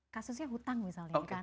kasusnya hutang misalnya